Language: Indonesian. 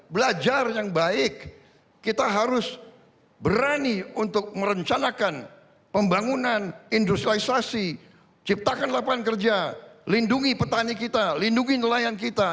belajar yang baik kita harus berani untuk merencanakan pembangunan industrialisasi ciptakan lapangan kerja lindungi petani kita lindungi nelayan kita